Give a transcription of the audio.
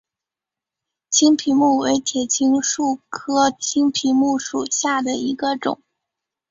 青皮木为铁青树科青皮木属下的一个种。